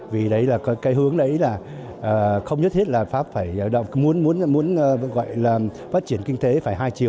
vì đấy là cái hướng đấy là không nhất thiết là pháp phải muốn gọi là phát triển kinh tế phải hai chiều